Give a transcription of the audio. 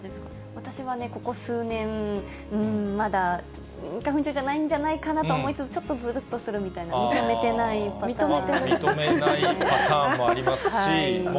私はね、ここ数年、まだ、花粉症じゃないんじゃないかなと思いつつ、ずるっとするという、認めてないという。